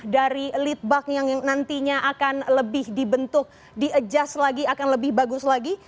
dari lead buck yang nantinya akan lebih dibentuk di adjust lagi akan lebih bagus lagi